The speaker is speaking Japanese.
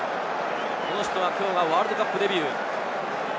この人は、きょうはワールドカップデビュー。